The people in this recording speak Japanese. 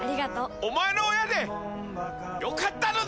お前の親でよかったのだ！